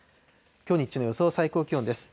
きょう日中の予想最高気温です。